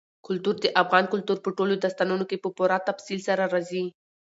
کلتور د افغان کلتور په ټولو داستانونو کې په پوره تفصیل سره راځي.